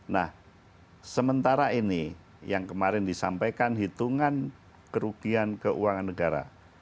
nah sementara ini yang kemarin disampaikan hitungan kerugian keuangan negara